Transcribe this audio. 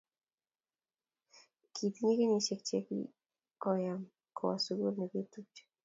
tinyei kenyishiek chegigoyam kowo sugul negetupche